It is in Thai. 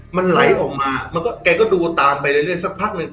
มันไหลออกมามันก็แกก็ดูตามไปเรื่อยสักพักหนึ่ง